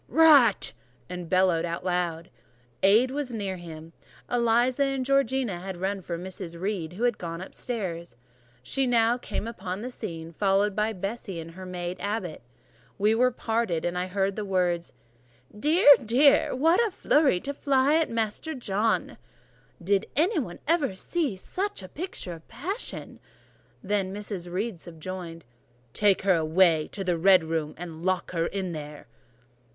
Rat!" and bellowed out aloud. Aid was near him: Eliza and Georgiana had run for Mrs. Reed, who was gone upstairs: she now came upon the scene, followed by Bessie and her maid Abbot. We were parted: I heard the words— "Dear! dear! What a fury to fly at Master John!" "Did ever anybody see such a picture of passion!" Then Mrs. Reed subjoined— "Take her away to the red room, and lock her in there."